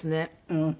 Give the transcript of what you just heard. うん。